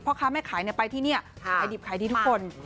พ่อค้าแม่ขายไปที่นี่ขายดิบขายดีทุกคน